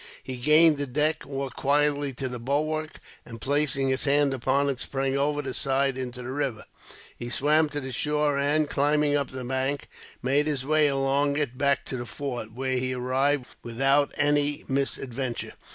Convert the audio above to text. He gained the deck, walked quietly to the bulwark and, placing his hand upon it, sprang over the side into the river. He swam to shore and, climbing up the bank, made his way along it back to the fort, where he arrived without any misadventure.